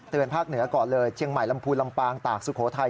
ภาคเหนือก่อนเลยเชียงใหม่ลำพูนลำปางตากสุโขทัย